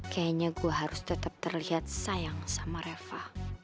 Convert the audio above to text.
kayaknya gue harus tetap terlihat sayang sama reva